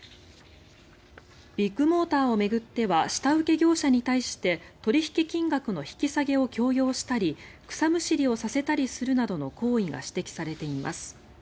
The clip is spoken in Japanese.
ビッグモーターを巡っては下請け業者に対して取引金額の引き下げを強要したり草むしりをさせたりするなどの行為が指摘されています。